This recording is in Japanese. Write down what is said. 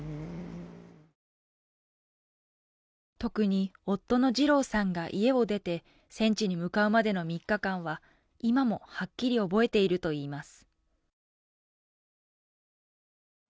特に、夫の二郎さんが家を出て戦地に向かうまでの３日間は今もはっきり覚えているといいます。